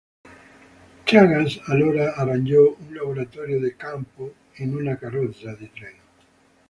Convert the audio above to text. Chagas allora arrangiò un laboratorio da campo in una carrozza di treno.